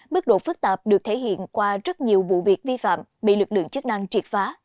mức độ phức tạp được thể hiện qua rất nhiều vụ việc vi phạm bị lực lượng chức năng triệt phá